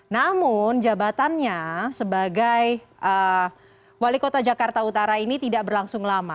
namun jabatannya sebagai wali kota jakarta utara ini tidak berlangsung lama